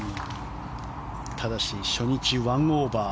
ただし、初日１オーバー。